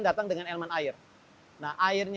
datang dengan elemen air nah airnya